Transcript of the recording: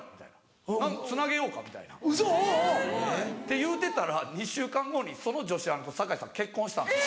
言うてたら２週間後にその女子アナと酒井さん結婚したんですよ。